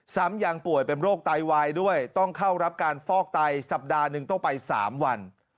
ซ้ำยังป่วยเป็นโรคไตวายด้วยต้องเข้ารับการฟอกไตสัปดาห์หนึ่งต้องไป๓วัน